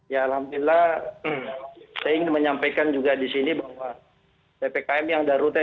ya alhamdulillah saya ingin menyampaikan juga di sini bahwa ppkm yang darurat